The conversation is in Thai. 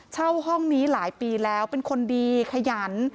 เช่าห้องนี้หลายปีแล้วเป็นคนดีขยัน